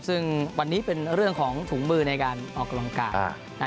ซึ่งวันนี้เป็นเรื่องของถุงมือในการออกกำลังกาย